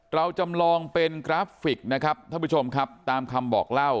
เราจำลองเป็นกราฟิกนะครับท่านผู้ชมครับตามคำบอกเล่า